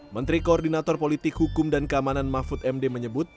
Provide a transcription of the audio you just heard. menteri koordinator politik hukum dan keamanan mahfud md menyebut